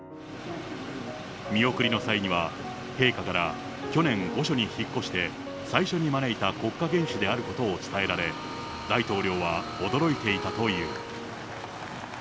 見送りの際には、陛下から、去年、御所に引っ越して、最初に招いた国家元首であることを伝えられ、大統領は驚いていたという。